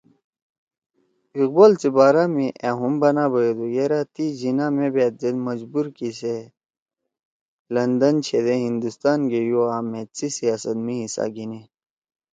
اقبال سی بارا می أ ہُم بنا بیَدُو یرأ تی جناح مے بأت زید مجبور کی کہ سے لندن چھیدے ہندُوستان گے یو آں مھید سی سیاست می حصہ گھیِنے